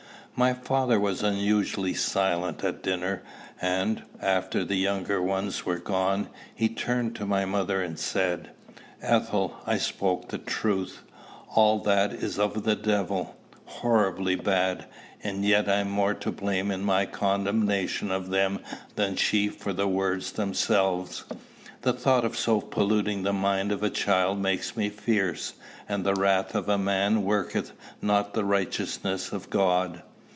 My father was unusually silent at dinner; and, after the younger ones were gone, he turned to my mother, and said, "Ethel, I spoke the truth. All that is of the Devil, horribly bad; and yet I am more to blame in my condemnation of them than she for the words themselves. The thought of so polluting the mind of a child makes me fierce, and the wrath of man worketh not the righteousness of God.